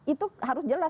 itu harus jelas